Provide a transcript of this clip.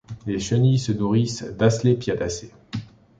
Les chenilles se nourrissent d'Asclepiadaceae.